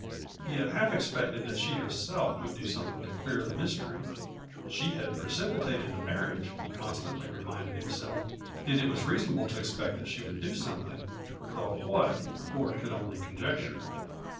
He had half expected that she herself would do something to clear the mystery. She had precipitated the marriage, he constantly reminded himself, and it was reasonable to expect that she would do something; though what, Ford could only conjecture.